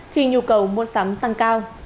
khi nhu cầu mua sắm tăng cao